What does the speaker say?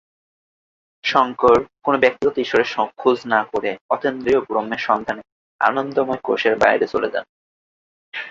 শঙ্কর, কোনো ব্যক্তিগত ঈশ্বরের খোঁজ না করে, অতীন্দ্রিয় ব্রহ্মের সন্ধানে আনন্দময় কোষের বাইরে চলে যান।